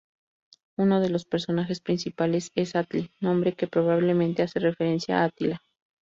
Uno de los personajes principales es Atli, nombre que probablemente hace referencia a Atila.